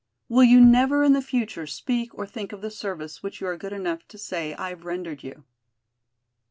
Will you never in the future speak or think of the service which you are good enough to say I have rendered you."